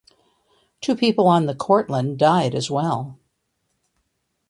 Two people on the "Cortland" died as well.